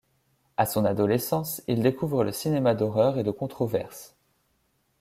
À son adolescence, il découvre le cinéma d'horreur et de controverse.